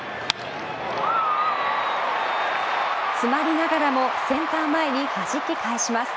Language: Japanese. つまりながらもセンター前に弾き返します。